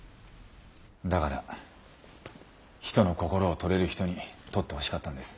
だから人の心を撮れる人に撮ってほしかったんです。